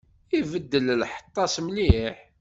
Ibeddel lḥeṭṭa-s mliḥ.